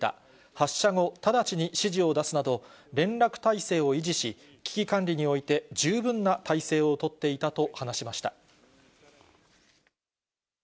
発射後、直ちに指示を出すなど、連絡体制を維持し、危機管理において、十分な態勢を取っていたと話しました。